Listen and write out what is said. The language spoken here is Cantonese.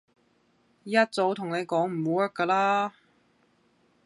一早同你講唔 work 㗎啦